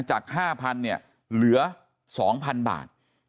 จาก๕๐๐๐เหลือ๒๐๐๐บาท